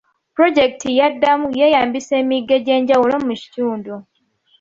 Pulojekiti ya ddaamu yeeyambisa emigga egy'enjawulo mu kitundu.